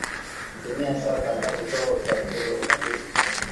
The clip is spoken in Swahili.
kutumia saa kadhaa kutoa taarifa zao ufunguzi